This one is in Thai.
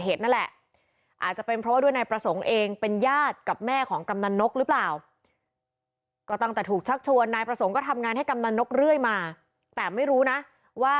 เขารับจ้างขับรถกระบะส่งไก่สดค่ะ๑ปีก่อนหน้าก็คือปีที่แล้วนะ